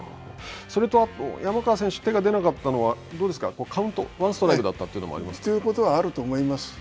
それと、あと山川選手、手が出なかったのは、どうですか、カウント、ワンストライクだったということもありますか。